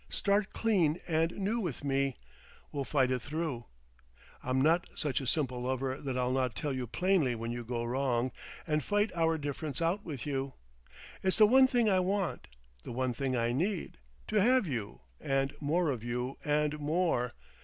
Start clean and new with me. We'll fight it through! I'm not such a simple lover that I'll not tell you plainly when you go wrong, and fight our difference out with you. It's the one thing I want, the one thing I need—to have you, and more of you and more!